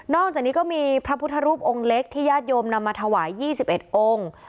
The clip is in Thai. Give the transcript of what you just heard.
อกจากนี้ก็มีพระพุทธรูปองค์เล็กที่ญาติโยมนำมาถวาย๒๑องค์